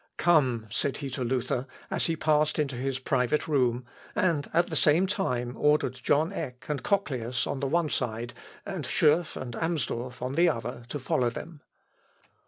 "Come," said he to Luther, as he passed into his private room, and, at the same time, ordered John Eck and Cochlœus, on the one side, and Schurff and Amsdorff, on the other, to follow them.